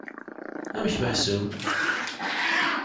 Amek meḥsub?